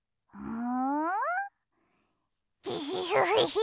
ん？